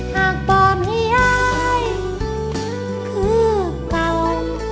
หากบอบให้อายคือเก่า